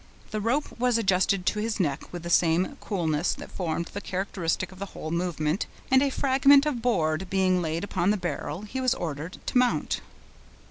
The rope was adjusted to his neck with the same coolness that formed the characteristic of the whole movement, and a fragment of board being laid upon the barrel, he was ordered to mount.